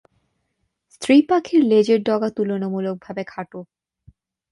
স্ত্রী পাখির লেজের ডগা তুলনামূলকভাবে খাটো।